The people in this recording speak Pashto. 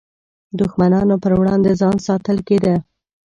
دښمنانو پر وړاندې ځان ساتل کېده.